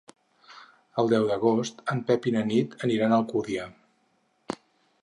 El deu d'agost en Pep i na Nit aniran a Alcúdia.